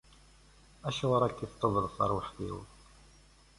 Acuɣer akka i tdubeḍ, a tarwiḥt-iw?